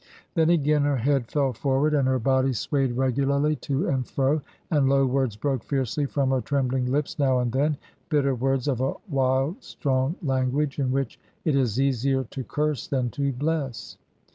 Then again her head fell forward and her body swayed regularly to and fro, and low words broke fiercely from her trembling lips now and then, bitter words of a wild, strong language in which it is easier to curse than to bless.